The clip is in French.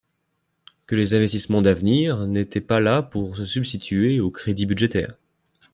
que les investissements d’avenir n’étaient pas là pour se substituer aux crédits budgétaires.